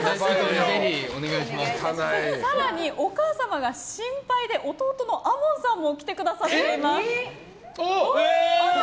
更に、お母様が心配で弟さんも来てくださっています。